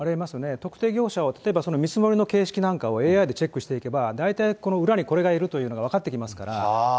特定業者を、例えば見積もりの形式なんかをＡＩでチェックしていけば、大体この裏にこれがいるっていうのが分かってきますから。